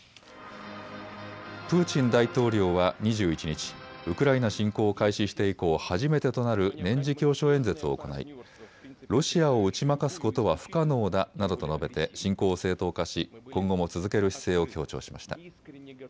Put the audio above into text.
プーチン大統領は２１日、ウクライナ侵攻を開始して以降、初めてとなる年次教書演説を行いロシアを打ち負かすことは不可能だなどと述べて侵攻を正当化し今後も続ける姿勢を強調しました。